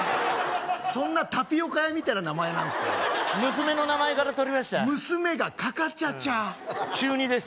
そんなタピオカ屋みたいな名前なんですか娘の名前からとりました娘が花花茶茶中２です